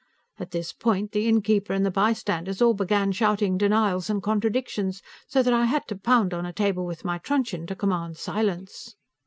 At this point, the innkeeper and the bystanders all began shouting denials and contradictions, so that I had to pound on a table with my truncheon to command silence.